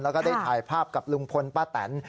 แล้วก็ได้ถ่ายภาพกับลุงพลป้าแตน